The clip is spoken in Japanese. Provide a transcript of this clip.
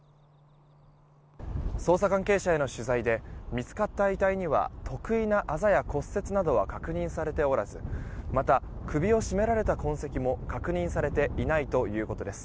捜査関係者への取材で見つかった遺体には特異なあざや骨折などは確認されておらずまた、首を絞められた痕跡も確認されていないということです。